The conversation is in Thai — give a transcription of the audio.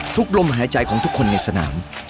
ลมหายใจของทุกคนในสนาม